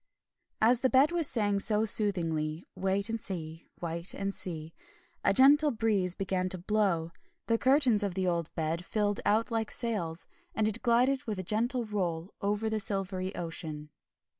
As the Bed was saying so soothingly, "Wait and see, wait and see," a gentle breeze began to blow, the curtains of the old bed filled out like sails, and it glided with a gentle roll over the silvery ocean.